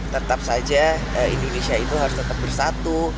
tetap saja indonesia itu harus tetap bersatu